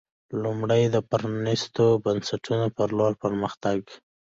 لومړی د پرانېستو بنسټونو په لور پر مخ تګ